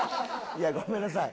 いやごめんなさい。